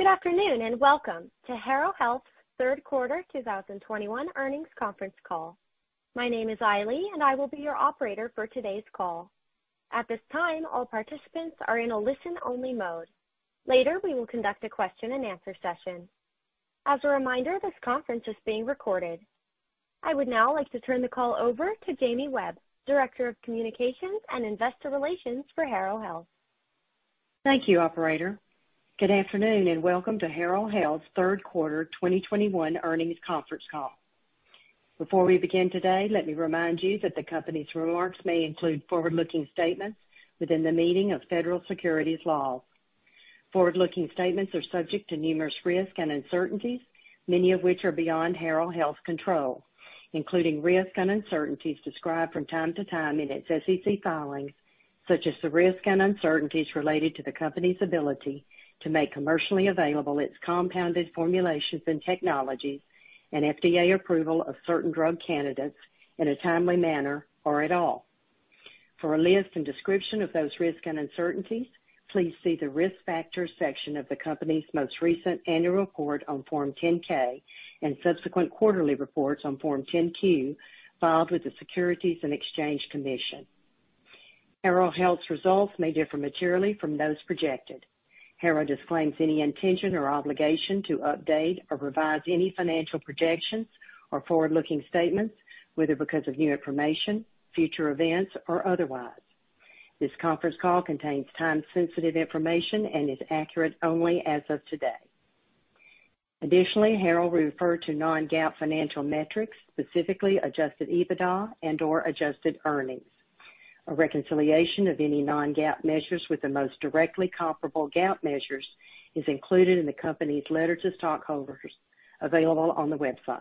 Good afternoon, and welcome to Harrow Health's Q3 2021 Earnings Conference Call. My name is Ailey, and I will be your operator for today's call. At this time, all participants are in a listen-only mode. Later, we will conduct a question-and-answer session. As a reminder, this conference is being recorded. I would now like to turn the call over to Jamie Webb, Director of Communications and Investor Relations for Harrow Health. Thank you, operator. Good afternoon, and welcome to Harrow Health's Q3 2021 Earnings Conference Call. Before we begin today, let me remind you that the company's remarks may include forward-looking statements within the meaning of federal securities laws. Forward-looking statements are subject to numerous risks and uncertainties, many of which are beyond Harrow Health's control, including risks and uncertainties described from time to time in its SEC filings, such as the risks and uncertainties related to the company's ability to make commercially available its compounded formulations and technologies and FDA approval of certain drug candidates in a timely manner or at all. For a list and description of those risks and uncertainties, please see the Risk Factors section of the company's most recent Annual Report on Form 10-K and subsequent quarterly reports on Form 10-Q filed with the Securities and Exchange Commission. Harrow Health's results may differ materially from those projected. Harrow disclaims any intention or obligation to update or revise any financial projections or forward-looking statements, whether because of new information, future events, or otherwise. This conference call contains time-sensitive information and is accurate only as of today. Additionally, Harrow will refer to non-GAAP financial metrics, specifically adjusted EBITDA and/or adjusted earnings. A reconciliation of any non-GAAP measures with the most directly comparable GAAP measures is included in the company's letter to stockholders available on the website.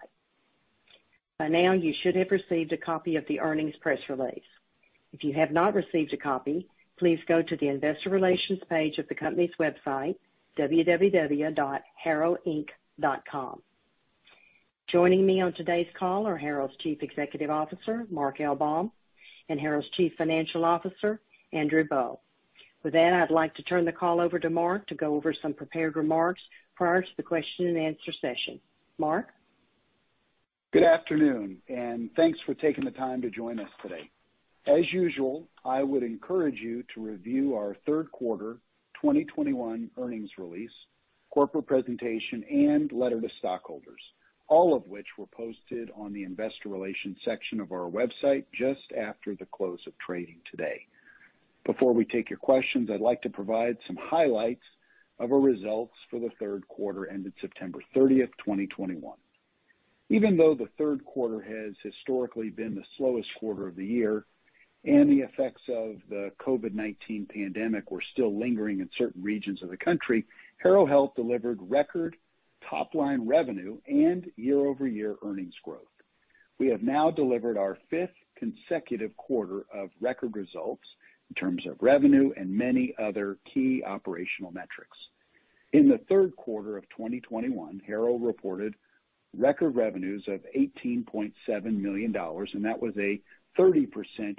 By now, you should have received a copy of the earnings press release. If you have not received a copy, please go to the investor relations page of the company's website, www.harrowinc.com. Joining me on today's call are Harrow's Chief Executive Officer, Mark Baum, and Harrow's Chief Financial Officer, Andrew Boll. With that, I'd like to turn the call over to Mark to go over some prepared remarks prior to the question-and-answer session. Mark? Good afternoon, and thanks for taking the time to join us today. As usual, I would encourage you to review our Q3 2021 earnings release, corporate presentation, and letter to stockholders, all of which were posted on the investor relations section of our website just after the close of trading today. Before we take your questions, I'd like to provide some highlights of our results for the Q3 ended September 30, 2021. Even though the Q3 has historically been the slowest quarter of the year and the effects of the COVID-19 pandemic were still lingering in certain regions of the country, Harrow Health delivered record top-line revenue and year-over-year earnings growth. We have now delivered our fifth consecutive quarter of record results in terms of revenue and many other key operational metrics. In the Q3 2021, Harrow reported record revenues of $18.7 million, and that was a 30%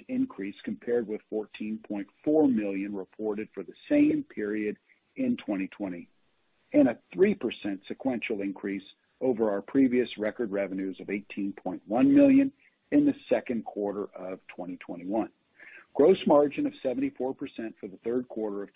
increase compared with $14.4 million reported for the same period in 2020, and a 3% sequential increase over our previous record revenues of $18.1 million in the Q2 2021. Gross margin of 74% for the Q3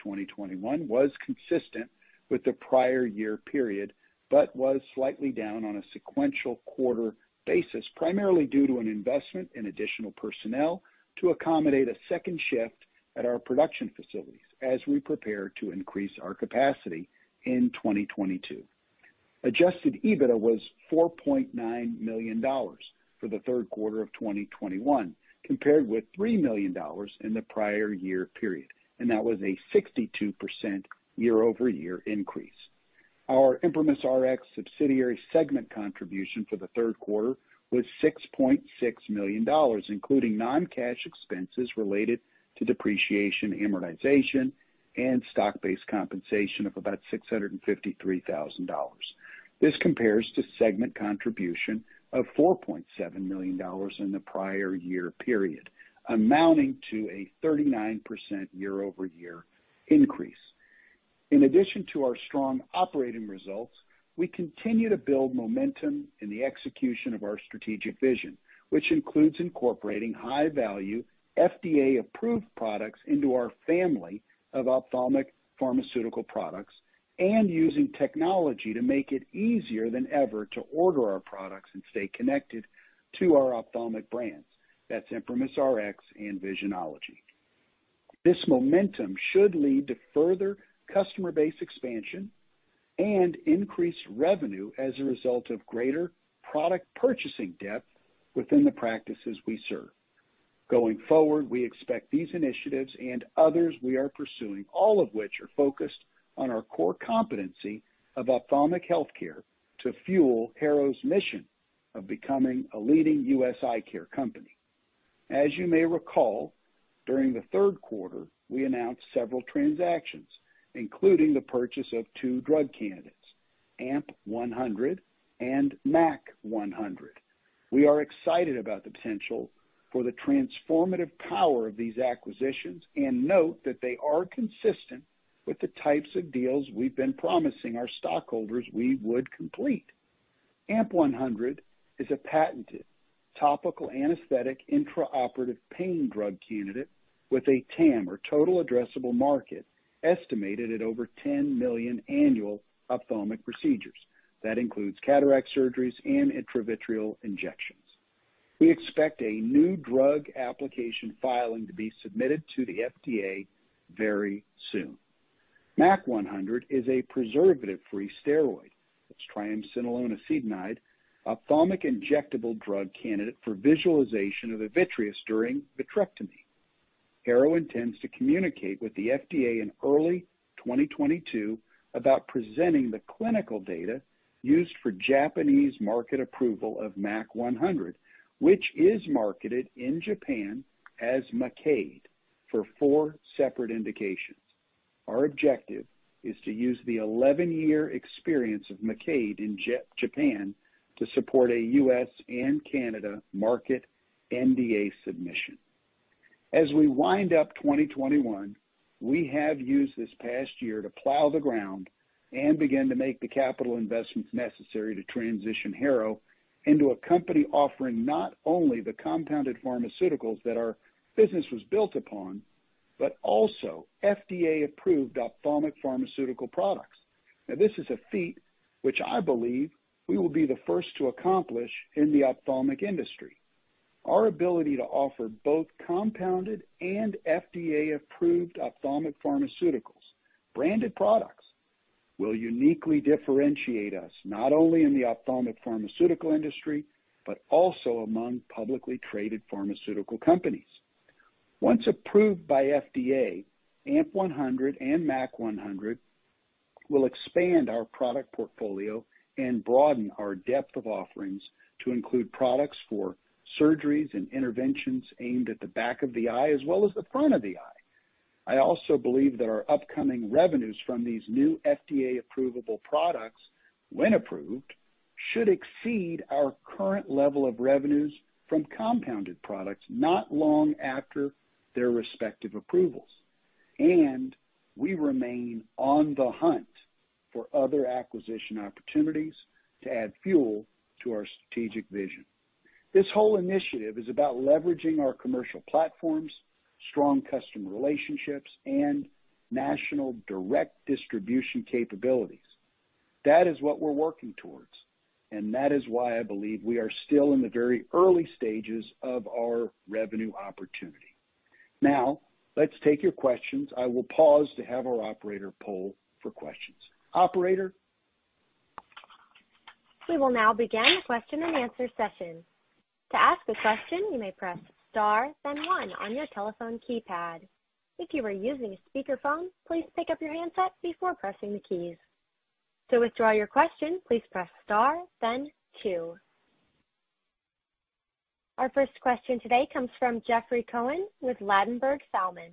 2021 was consistent with the prior year period, but was slightly down on a sequential quarter basis, primarily due to an investment in additional personnel to accommodate a second shift at our production facilities as we prepare to increase our capacity in 2022. Adjusted EBITDA was $4.9 million for the Q3 2021, compared with $3 million in the prior year period, and that was a 62% year-over-year increase. Our ImprimisRx subsidiary segment contribution for the third quarter was $6.6 million, including non-cash expenses related to depreciation, amortization, and stock-based compensation of about $653,000. This compares to segment contribution of $4.7 million in the prior year period, amounting to a 39% year-over-year increase. In addition to our strong operating results, we continue to build momentum in the execution of our strategic vision, which includes incorporating high-value FDA-approved products into our family of ophthalmic pharmaceutical products and using technology to make it easier than ever to order our products and stay connected to our ophthalmic brands. That's ImprimisRx and Visionology. This momentum should lead to further customer base expansion and increased revenue as a result of greater product purchasing depth within the practices we serve. Going forward, we expect these initiatives and others we are pursuing, all of which are focused on our core competency of ophthalmic healthcare, to fuel Harrow's mission of becoming a leading U.S. eye care company. As you may recall, during the third quarter, we announced several transactions, including the purchase of two drug candidates. AMP-100 and MAQ-100. We are excited about the potential for the transformative power of these acquisitions, and note that they are consistent with the types of deals we've been promising our stockholders we would complete. AMP-100 is a patented topical anesthetic intraoperative pain drug candidate with a TAM, or Total Addressable Market, estimated at over 10 million annual ophthalmic procedures. That includes cataract surgeries and intravitreal injections. We expect a new drug application filing to be submitted to the FDA very soon. MAQ-100 is a preservative-free steroid. It's triamcinolone acetonide ophthalmic injectable drug candidate for visualization of the vitreous during vitrectomy. Harrow intends to communicate with the FDA in early 2022 about presenting the clinical data used for Japanese market approval of MAQ-100, which is marketed in Japan as MaQaid for four separate indications. Our objective is to use the 11-year experience of MaQaid in Japan to support a U.S. and Canada market NDA submission. As we wind up 2021, we have used this past year to plow the ground and begin to make the capital investments necessary to transition Harrow into a company offering not only the compounded pharmaceuticals that our business was built upon, but also FDA-approved ophthalmic pharmaceutical products. Now, this is a feat which I believe we will be the first to accomplish in the ophthalmic industry. Our ability to offer both compounded and FDA-approved ophthalmic pharmaceuticals, branded products, will uniquely differentiate us not only in the ophthalmic pharmaceutical industry, but also among publicly traded pharmaceutical companies. Once approved by FDA, AMP-100 and MAQ-100 will expand our product portfolio and broaden our depth of offerings to include products for surgeries and interventions aimed at the back of the eye as well as the front of the eye. I also believe that our upcoming revenues from these new FDA approvable products, when approved, should exceed our current level of revenues from compounded products not long after their respective approvals. We remain on the hunt for other acquisition opportunities to add fuel to our strategic vision. This whole initiative is about leveraging our commercial platforms, strong customer relationships, and national direct distribution capabilities. That is what we're working towards, and that is why I believe we are still in the very early stages of our revenue opportunity. Now, let's take your questions. I will pause to have our operator poll for questions. Operator? We will now begin the question and answer session. To ask a question, you may press star then one on your telephone keypad. If you are using a speakerphone, please pick up your handset before pressing the keys. To withdraw your question, please press star then two. Our first question today comes from Jeffrey Cohen with Ladenburg Thalmann.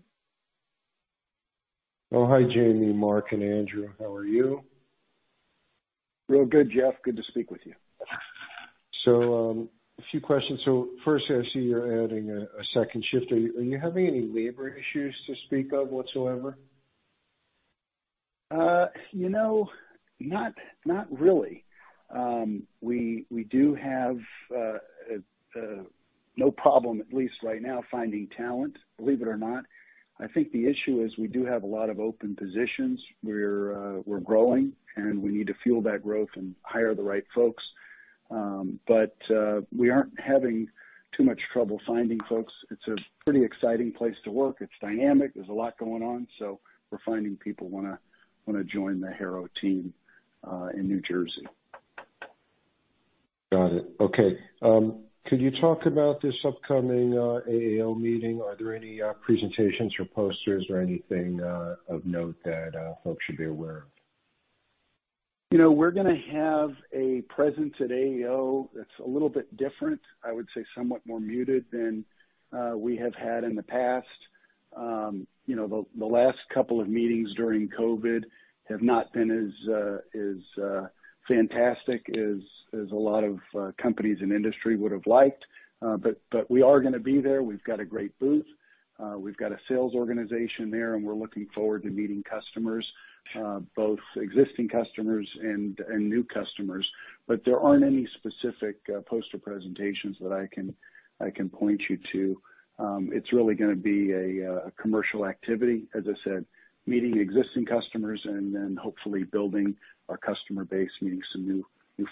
Oh, hi, Jamie, Mark, and Andrew. How are you? Real good, Jeff. Good to speak with you. A few questions. First, I see you're adding a second shift. Are you having any labor issues to speak of whatsoever? Not really. We do have no problem, at least right now, finding talent, believe it or not. I think the issue is we do have a lot of open positions. We're growing, and we need to fuel that growth and hire the right folks. We aren't having too much trouble finding folks. It's a pretty exciting place to work. It's dynamic. There's a lot going on, so we're finding people wanna join the Harrow team in New Jersey. Got it. Okay. Could you talk about this upcoming AAO meeting? Are there any presentations or posters or anything of note that folks should be aware of? We're gonna have a presence at AAO that's a little bit different. I would say somewhat more muted than we have had in the past. The last couple of meetings during COVID-19 have not been as fantastic as a lot of companies and industry would have liked. We are gonna be there. We've got a great booth. We've got a sales organization there, and we're looking forward to meeting customers, both existing customers and new customers. There aren't any specific poster presentations that I can point you to. It's really gonna be a commercial activity, as I said, meeting existing customers and then hopefully building our customer base, meeting some new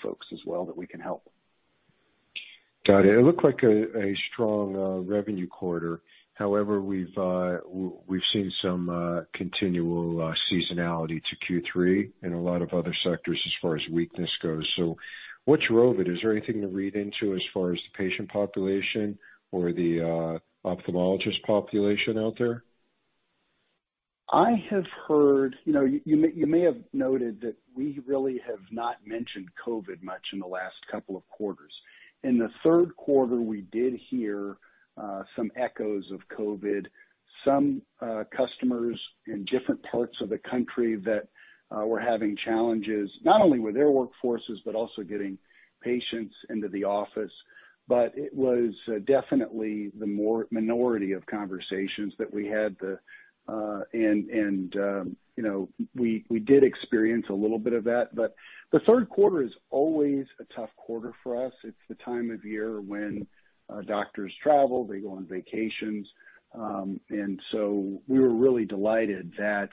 folks as well that we can help. Got it. It looked like a strong revenue quarter. However, we've seen some continual seasonality to Q3 in a lot of other sectors as far as weakness goes. What's your read of it? Is there anything to read into as far as the patient population or the ophthalmologist population out there? I have heard. You may have noted that we really have not mentioned COVID-19 much in the last couple of quarters. In the Q3, we did hear some echoes of COVID-19. Some customers in different parts of the country that were having challenges, not only with their workforces, but also getting patients into the office. But it was definitely the minority of conversations that we had. We did experience a little bit of that, but the third quarter is always a tough quarter for us. It's the time of year when doctors travel, they go on vacations. We were really delighted that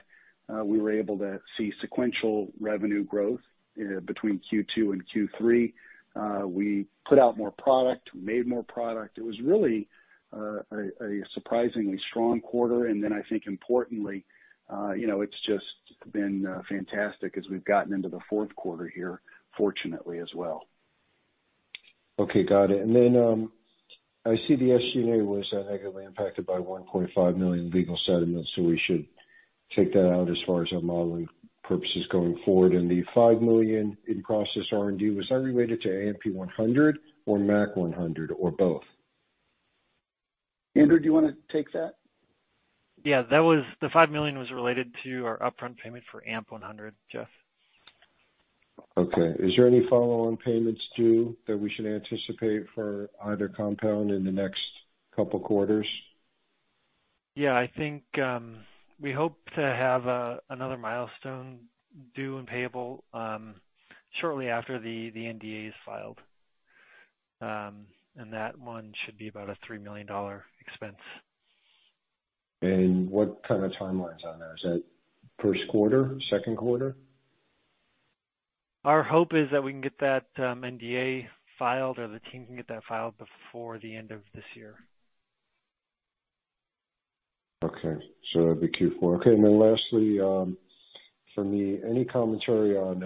we were able to see sequential revenue growth between Q2 and Q3. We put out more product, made more product. It was really a surprisingly strong quarter. Then I think importantly, it's just been fantastic as we've gotten into the Q4 here, fortunately as well. Okay, got it. I see the SG&A was negatively impacted by $1.5 million legal settlements, so we should take that out as far as our modeling purposes going forward. The $5 million in-process R&D, was that related to AMP-100 or MAQ-100, or both? Andrew, do you wanna take that? Yeah. The $5 million was related to our upfront payment for AMP-100, Jeff. Okay. Is there any follow-on payments due that we should anticipate for either compound in the next couple quarters? Yeah, I think we hope to have another milestone due and payable shortly after the NDA is filed. That one should be about a $3 million expense. What kind of timelines on there? Is that Q1, Q2? Our hope is that we can get that NDA filed or the team can get that filed before the end of this year. Okay. That'd be Q4. Okay. Lastly, for me, any commentary on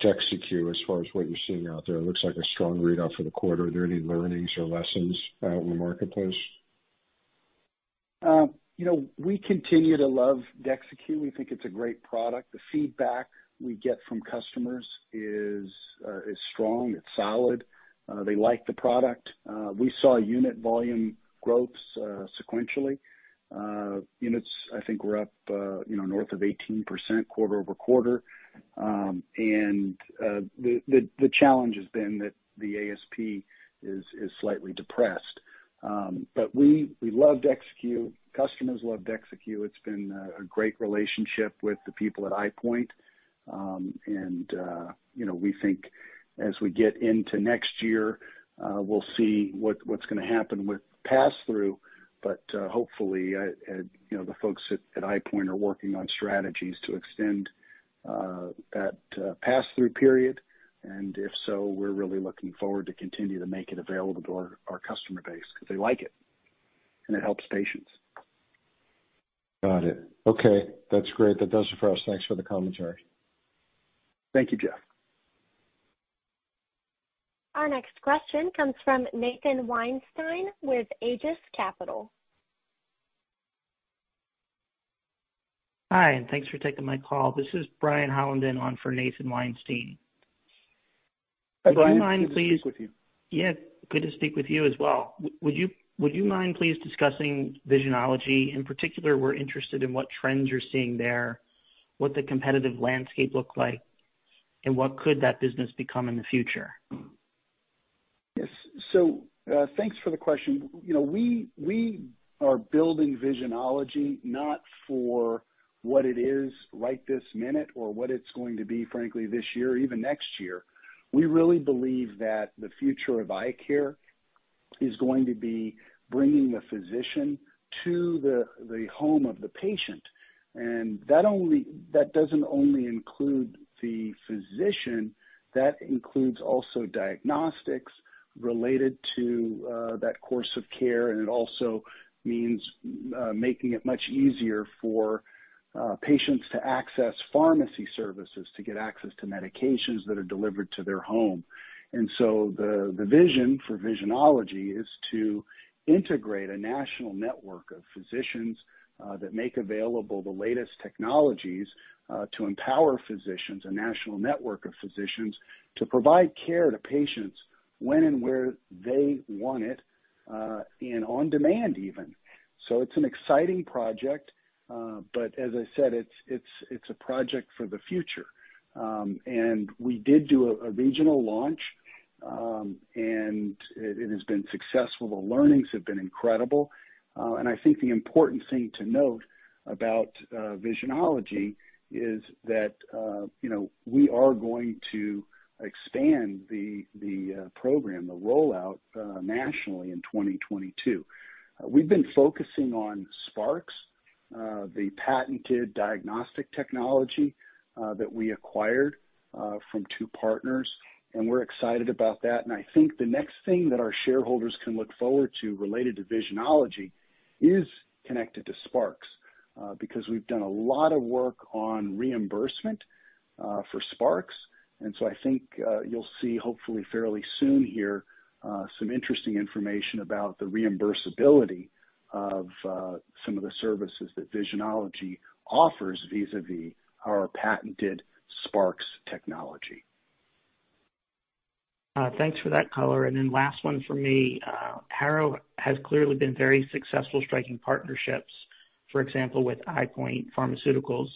DEXYCU as far as what you're seeing out there? It looks like a strong read out for the quarter. Are there any learnings or lessons out in the marketplace? We continue to love DEXYCU. We think it's a great product. The feedback we get from customers is strong, it's solid. They like the product. We saw unit volume growths sequentially. Units, I think, were up, you know, north of 18% quarter-over-quarter. The challenge has been that the ASP is slightly depressed. We love DEXYCU, customers love DEXYCU. It's been a great relationship with the people at EyePoint. We think as we get into next year, we'll see what's gonna happen with pass-through. Hopefully, the folks at EyePoint are working on strategies to extend that pass-through period. If so, we're really looking forward to continue to make it available to our customer base because they like it, and it helps patients. Got it. Okay. That's great. That does it for us. Thanks for the commentary. Thank you, Jeff. Our next question comes from Nathan Weinstein with Aegis Capital. Hi, and thanks for taking my call. This is Brian Holland on for Nathan Weinstein. Hi, Brian. Good to speak with you. Yeah. Good to speak with you as well. Would you mind please discussing Visionology? In particular, we're interested in what trends you're seeing there, what the competitive landscape look like, and what could that business become in the future? Yes. Thanks for the question. we are building Visionology not for what it is right this minute or what it's going to be, frankly, this year or even next year. We really believe that the future of eye care is going to be bringing the physician to the home of the patient. That doesn't only include the physician, that includes also diagnostics related to that course of care, and it also means making it much easier for patients to access pharmacy services, to get access to medications that are delivered to their home. The vision for Visionology is to integrate a national network of physicians that make available the latest technologies to empower physicians to provide care to patients when and where they want it, and on demand even. It's an exciting project. As I said, it's a project for the future. We did a regional launch, and it has been successful. The learnings have been incredible. I think the important thing to note about Visionology is that we are going to expand the program, the rollout nationally in 2022. We've been focusing on SPARCS, the patented diagnostic technology that we acquired from two partners, and we're excited about that. I think the next thing that our shareholders can look forward to related to Visionology is connected to SPARCS, because we've done a lot of work on reimbursement for SPARCS. I think you'll see hopefully fairly soon here some interesting information about the reimbursability of some of the services that Visionology offers vis-à-vis our patented SPARCS technology. Thanks for that color. Last one for me. Harrow has clearly been very successful striking partnerships, for example, with EyePoint Pharmaceuticals.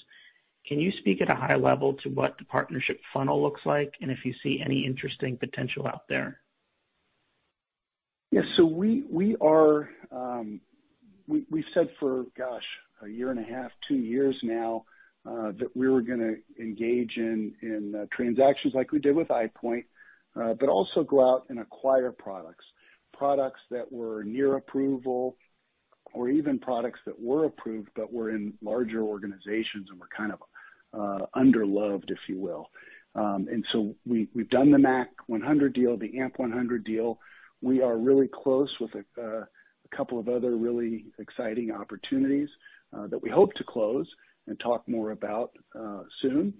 Can you speak at a high level to what the partnership funnel looks like and if you see any interesting potential out there? Yes. We said for, gosh, a year and a half, two years now that we were gonna engage in transactions like we did with EyePoint but also go out and acquire products. Products that were near approval or even products that were approved but were in larger organizations and were kind of underloved, if you will. We've done the MAQ-100 deal, the AMP-100 deal. We are really close with a couple of other really exciting opportunities that we hope to close and talk more about soon.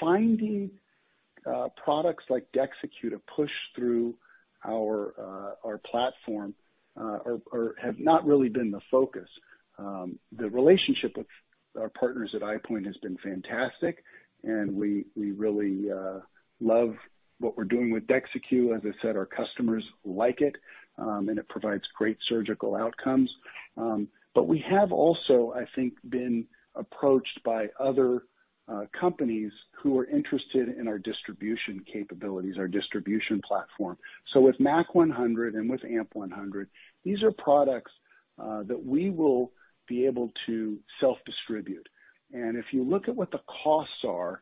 Finding products like DEXYCU to push through our platform or have not really been the focus. The relationship with our partners at EyePoint has been fantastic, and we really love what we're doing with DEXYCU. As I said, our customers like it, and it provides great surgical outcomes. We have also, I think, been approached by other companies who are interested in our distribution capabilities, our distribution platform. With MAQ-100 and with AMP-100, these are products that we will be able to self-distribute. If you look at what the costs are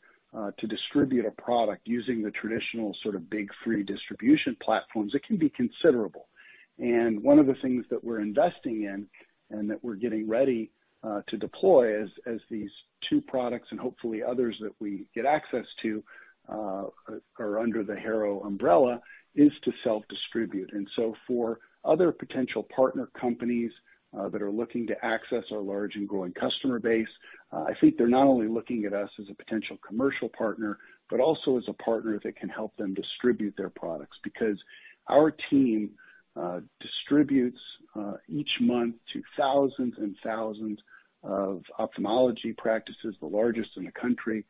to distribute a product using the traditional sort of big three distribution platforms, it can be considerable. One of the things that we're investing in and that we're getting ready to deploy as these two products and hopefully others that we get access to are under the Harrow umbrella is to self-distribute. For other potential partner companies that are looking to access our large and growing customer base, I think they're not only looking at us as a potential commercial partner, but also as a partner that can help them distribute their products. Because our team distributes each month to thousands and thousands of ophthalmology practices, the largest in the country,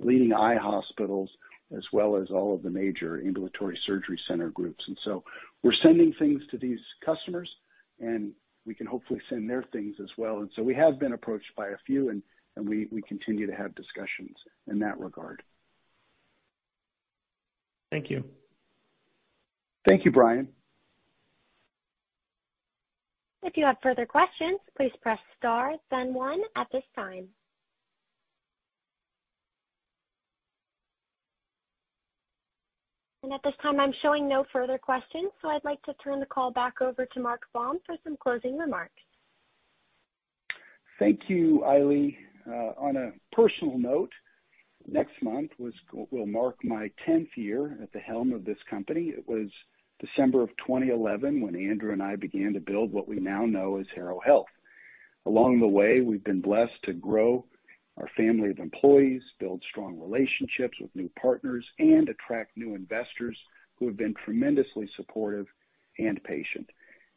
leading eye hospitals, as well as all of the major ambulatory surgery center groups. We're sending things to these customers, and we can hopefully send their things as well. We have been approached by a few and we continue to have discussions in that regard. Thank you. Thank you, Brian. If you have further questions, please press star then one at this time. At this time I'm showing no further questions, so I'd like to turn the call back over to Mark Baum for some closing remarks. Thank you, Ailey. On a personal note, next month will mark my tenth year at the helm of this company. It was December of 2011 when Andrew and I began to build what we now know as Harrow Health. Along the way, we've been blessed to grow our family of employees, build strong relationships with new partners, and attract new investors who have been tremendously supportive and patient.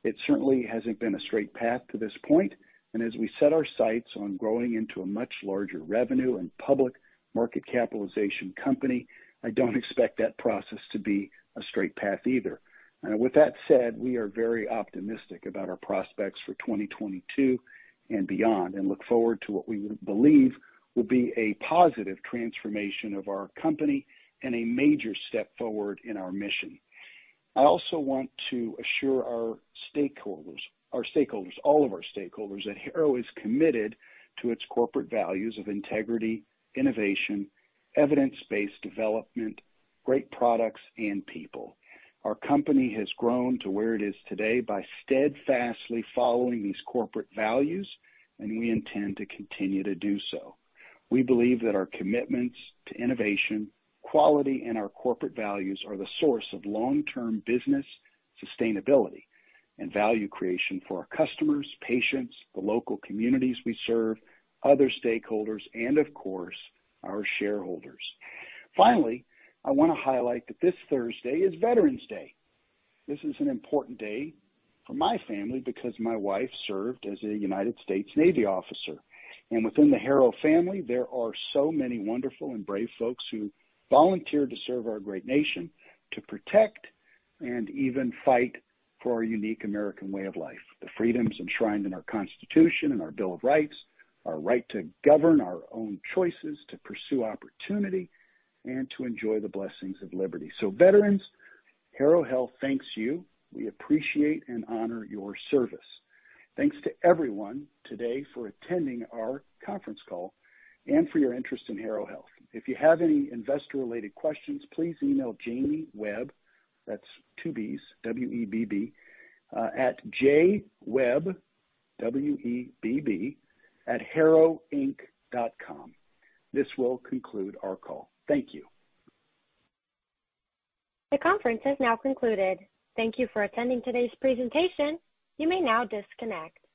It certainly hasn't been a straight path to this point, and as we set our sights on growing into a much larger revenue and public market capitalization company, I don't expect that process to be a straight path either. Now, with that said, we are very optimistic about our prospects for 2022 and beyond and look forward to what we believe will be a positive transformation of our company and a major step forward in our mission. I also want to assure all of our stakeholders that Harrow is committed to its corporate values of integrity, innovation, evidence-based development, great products and people. Our company has grown to where it is today by steadfastly following these corporate values, and we intend to continue to do so. We believe that our commitments to innovation, quality, and our corporate values are the source of long-term business sustainability and value creation for our customers, patients, the local communities we serve, other stakeholders, and of course, our shareholders. Finally, I wanna highlight that this Thursday is Veterans Day. This is an important day for my family because my wife served as a United States Navy officer. Within the Harrow family, there are so many wonderful and brave folks who volunteered to serve our great nation, to protect and even fight for our unique American way of life, the freedoms enshrined in our Constitution and our Bill of Rights, our right to govern our own choices, to pursue opportunity, and to enjoy the blessings of liberty. Veterans, Harrow Health thanks you. We appreciate and honor your service. Thanks to everyone today for attending our conference call and for your interest in Harrow Health. If you have any investor-related questions, please email Jamie Webb, that's two B's, W-E-B-B, at jwebb@harrowinc.com. This will conclude our call. Thank you. The conference has now concluded. Thank you for attending today's presentation. You may now disconnect.